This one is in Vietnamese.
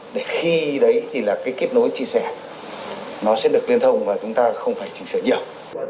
để khi đấy thì là cái kết nối chia sẻ nó sẽ được liên thông và chúng ta không phải chỉnh sửa nhiều